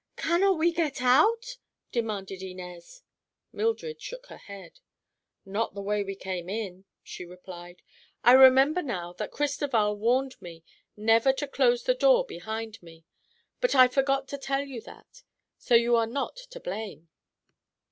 "Cannot we get out?" demanded Inez. Mildred shook her head. "Not the way we came in," she replied. "I remember now that Cristoval warned me never to close the door behind me; but I forgot to tell you that, so you are not to blame."